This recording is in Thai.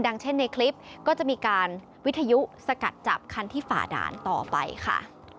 เช่นในคลิปก็จะมีการวิทยุสกัดจับคันที่ฝ่าด่านต่อไปค่ะ